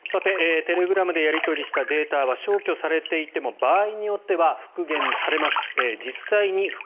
テレグラムでやり取りしたデータは消去されていても場合によっては復元されます。